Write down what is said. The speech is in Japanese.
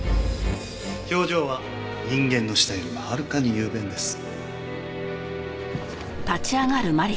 表情は人間の舌よりもはるかに雄弁です。